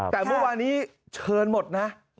แต่เมื่อวานี้เชิญหมดนะ